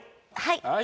はい！